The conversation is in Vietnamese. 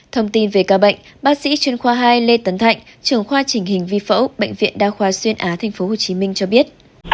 thông tin về ca bệnh bác sĩ chuyên khoa hai lê tấn thạnh trưởng khoa chỉnh hình vi phẫu bệnh viện đa khoa xuyên á tp hcm cho biết